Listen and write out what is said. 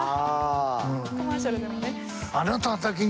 コマーシャルでもね。